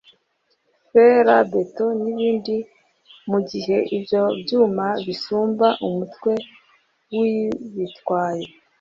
fer à béton n’ibindi mu gihe ibyo byuma bisumba umutwe w’ubitwaye